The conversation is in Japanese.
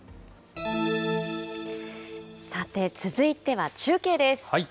さて、続いては中継です。